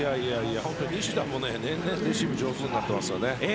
本当に西田も年々レシーブが上手になってますね。